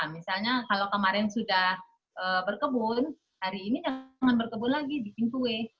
misalnya kalau kemarin sudah berkebun hari ini jangan berkebun lagi bikin kue